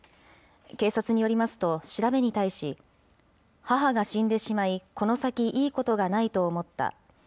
警察によりますと、調べに対し、母が死んでしまい、この先、いいことがないと思った。